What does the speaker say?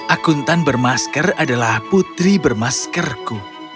akuntan bermasker adalah putri bermaskerku